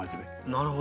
なるほど。